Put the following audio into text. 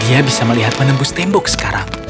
ia bisa melihat menembus tembok sekarang